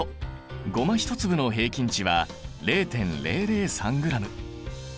ゴマ１粒の平均値は０．００３ｇ。